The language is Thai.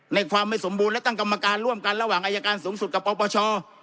ในความไม่สมบูรณ์และตั้งกรรมการร่วมกันระหว่างอายการสูงสุดกับปปช